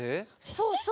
そうそう。